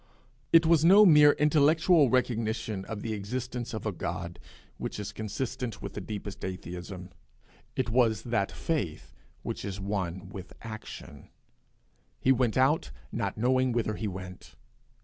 It was no mere intellectual recognition of the existence of a God, which is consistent with the deepest atheism; it was that faith which is one with action: 'He went out, not knowing whither he went.'